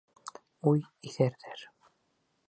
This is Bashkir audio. Уй, иҫәрҙәр!